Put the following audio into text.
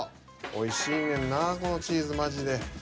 おいしいねんなこのチーズマジで。